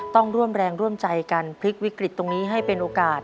ต้องร่วมแรงร่วมใจกันพลิกวิกฤตตรงนี้ให้เป็นโอกาส